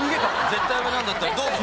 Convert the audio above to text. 絶対上なんだったらどうぞ。